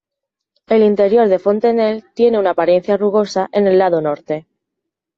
El interior de Fontenelle tiene una apariencia rugosa en el lado norte.